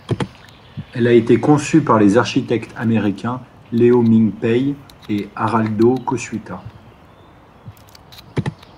Elle a été conçue par les architectes américains Ieoh Ming Pei et Araldo Cossutta.